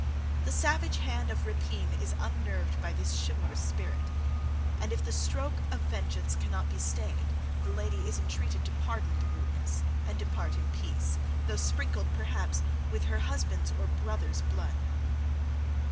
The savage hand of rapine is unnerved by this chivalrous spirit; and, if the stroke of vengeance cannot be stayed the lady is entreated to pardon the rudeness and depart in peace, though sprinkled, perhaps, with her husband's or brother's blood.